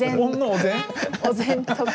お膳とか。